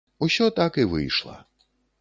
Усё так і выйшла.